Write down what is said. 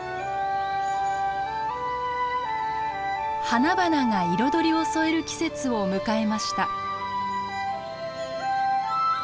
花々が彩りを添える季節を迎えました。